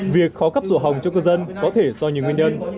việc khó cấp sổ hồng cho cư dân có thể do nhiều nguyên nhân